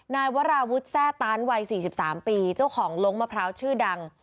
นายวราวุฒิแซ่ตานวัย๔๓ปีเจ้าของลงมะพร้าวชื่อดัง